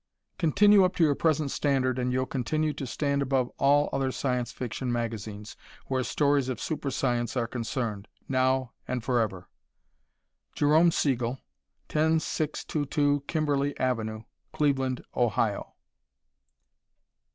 Continue up to your present standard and you'll continue to stand above all other Science Fiction magazines where stories of super science are concerned, now and forever. Jerome Siegel, 10622 Kimberley Ave., Cleveland, Ohio.